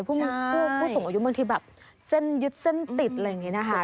ผู้สูงอายุบางทีแบบเส้นยึดเส้นติดอะไรอย่างนี้นะคะ